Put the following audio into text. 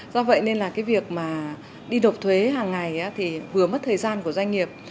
do vậy nên việc đi nộp thuế hàng ngày vừa mất thời gian của doanh nghiệp